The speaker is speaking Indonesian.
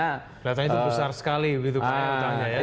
kelihatannya itu besar sekali begitu kelihatannya ya